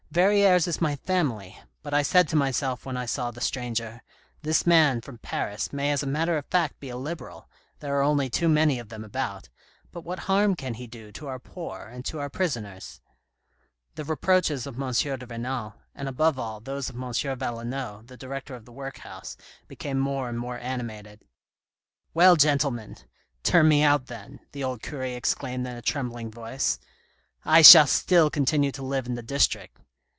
Verrieres is my family, but I said to myself when I saw the stranger, ' This man from Paris may as a matter of fact be a Liberal, there are only too many of them about, but what harm can he do to our poor and to our prisoners ?'" The reproaches of M. de Renal, and above all, those of M. Valenod, the director of the workhouse, became more and more animated. " Well, gentlemen, turn me out then," the old cure exclaimed in a trembling voice ;" I shall still continue to live in the district.